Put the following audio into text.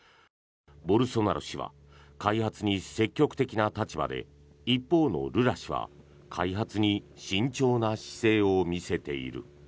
ボルソナロ氏は開発に積極的な立場で一方のルラ氏は開発に慎重な姿勢を見せている。